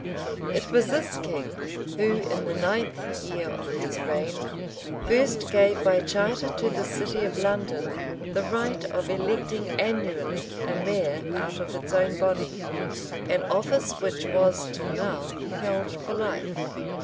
It was this king who, in the ninth year of his reign, first gave by charter to the city of London, the right of electing annually a mayor out of its own body, an office which was till now held for life.